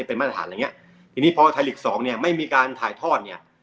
เป็นมาตรฐานอะไรอย่างนี้ทีนี้พอไทยหลีก๒ไม่มีการถ่ายทอดเนี่ย